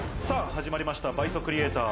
始まりました倍速リエイター。